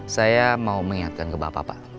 saya mau mengingatkan ke bapak pak